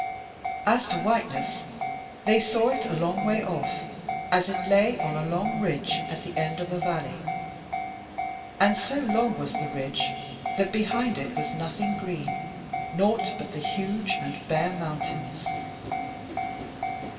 As to Whiteness, they saw it a long way off, as it lay on a long ridge at the end of a valley: and so long was the ridge, that behind it was nothing green; naught but the huge and bare mountains.